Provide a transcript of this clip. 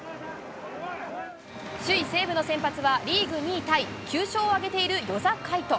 首位西武の先発はリーグ２位タイ、９勝を挙げている與座海人。